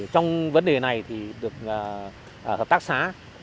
trong vấn đề này hợp tác xá